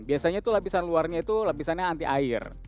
biasanya itu lapisan luarnya itu lapisannya anti air